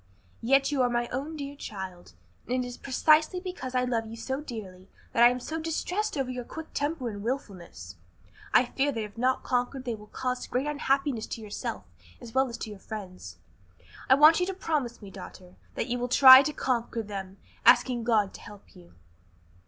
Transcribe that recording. "Yet you are my own dear child, and it is precisely because I love you so dearly that I am so distressed over your quick temper and wilfulness. I fear that if not conquered they will cause great unhappiness to yourself as well as to your friends. I want you to promise me, daughter, that you will try to conquer them, asking God to help you."